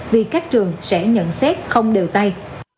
vì các trường sẽ nhận xét không đều tay